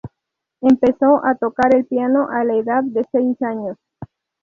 Empezó a tocar el piano a la edad de seis años.